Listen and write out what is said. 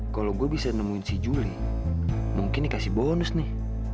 kalau gue bisa nemuin si juli mungkin dikasih bonus nih